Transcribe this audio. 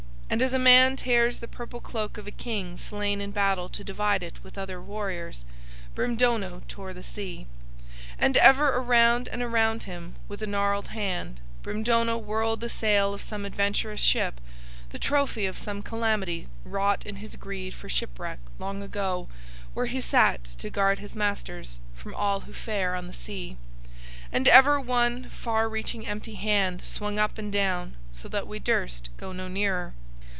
And as a man tears the purple cloak of a king slain in battle to divide it with other warriors,—Brimdono tore the sea. And ever around and around him with a gnarled hand Brimdono whirled the sail of some adventurous ship, the trophy of some calamity wrought in his greed for shipwreck long ago where he sat to guard his masters from all who fare on the sea. And ever one far reaching empty hand swung up and down so that we durst go no nearer.